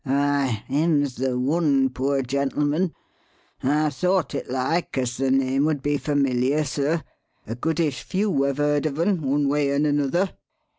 "Aye him's the one, poor gentleman. I thought it like as the name would be familiar, sir. A goodish few have heard of un, one way and another."